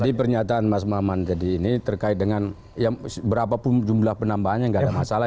jadi pernyataan mas mohamad tadi ini terkait dengan berapa jumlah penambahannya nggak ada masalah